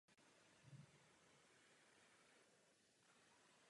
Ne s námi, evropskými zelenými.